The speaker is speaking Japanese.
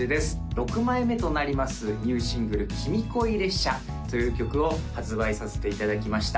６枚目となりますニューシングル「君恋列車」という曲を発売させていただきました